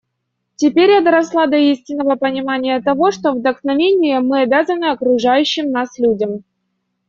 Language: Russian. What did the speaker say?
Теперь я доросла до истинного понимания того, что вдохновением мы обязаны окружающим нас людям.